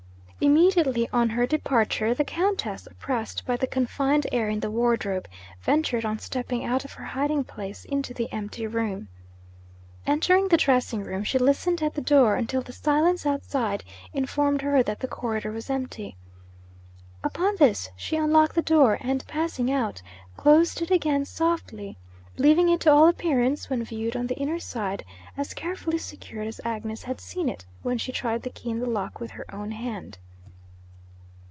Immediately on her departure, the Countess, oppressed by the confined air in the wardrobe, ventured on stepping out of her hiding place into the empty room. Entering the dressing room, she listened at the door, until the silence outside informed her that the corridor was empty. Upon this, she unlocked the door, and, passing out, closed it again softly; leaving it to all appearance (when viewed on the inner side) as carefully secured as Agnes had seen it when she tried the key in the lock with her own hand.